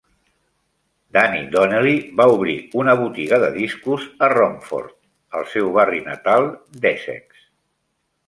Danny Donnelly va obrir una botiga de discos a Romford, el seu barri natal d'Essex.